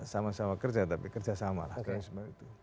sama sama kerja tapi kerja sama oke